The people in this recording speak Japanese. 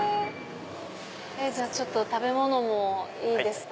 食べ物もいいですか？